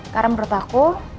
karena menurut aku